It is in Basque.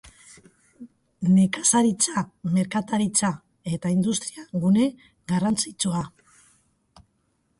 Nekazaritza-, merkataritza- eta industria-gune garrantzitsua.